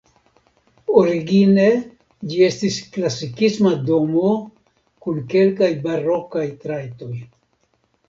Origine ĝi estis klasikisma domo kun kelkaj barokaj trajtoj.